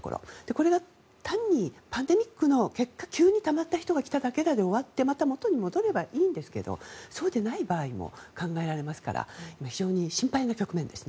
これが単にパンデミックの結果急にたまった人が来ただけだで終わってまた元に戻ればいいんですけどそうでない場合も考えられますから非常に心配な局面です。